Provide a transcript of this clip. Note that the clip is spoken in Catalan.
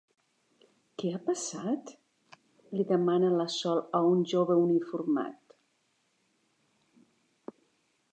Què ha passat? —li demana la Sol a un jove uniformat.